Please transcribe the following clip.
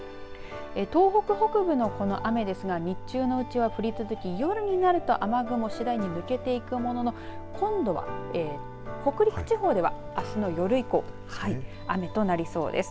東北北部のこの雨ですが日中のうちは降り続き夜になると雨雲しだいに抜けていくものの今度は北陸地方では、あすの夜以降雨となりそうです。